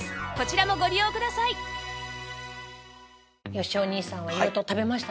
よしお兄さんは色々と食べましたね。